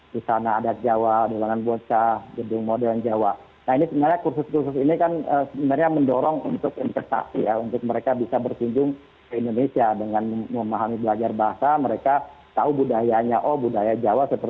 di sana ada jawa dorong bolsa bidung model jawa ini kusus kusus inikan se